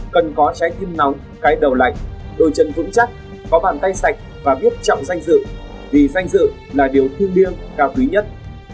cần có trái tim nóng cái đầu lạnh đôi chân vững chắc có bàn tay sạch và biết trọng danh dự vì danh dự là điều thiêng liêng cao quý nhất